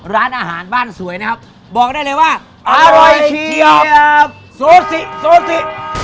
ร้านอาหารบ้านสวยนะครับบอกได้เลยว่าอร่อยเชียวโซซิ